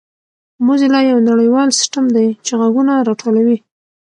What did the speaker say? موزیلا یو نړیوال سیسټم دی چې ږغونه راټولوي.